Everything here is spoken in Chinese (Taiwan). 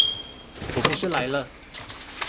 我不是來了！